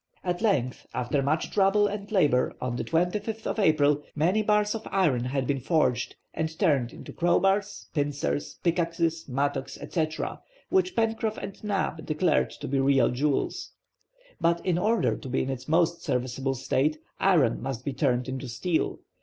At length, after much trouble and labor, on the 25th of April, many bars of iron had been forged and turned into crowbars, pincers, pickaxes, mattocks, etc., which Pencroff and Neb declared to be real jewels. But in order to be in its most serviceable state, iron must be turned into steel.